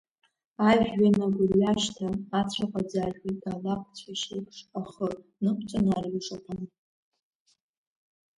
Ажәҩан агәырҩашьҭа, ацәаҟәа аӡажәуеит, алакәцәашь еиԥш ахы нықәҵан арҩаш аԥан.